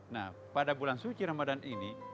nah pada bulan suci ramadan ini